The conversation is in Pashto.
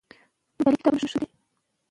له مطالعې پرته، پرمختګ ممکن نه دی.